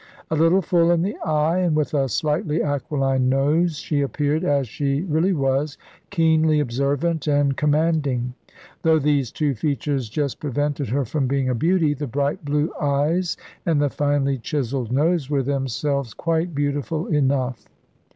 A little full in the eye, and with a slightly aquiline nose, she appeared, as she really was, keenly observant and com manding. Though these two features just pre vented her from being a beauty, the bright blue eyes and the finely chiselled nose were themselves quite beautiful enough.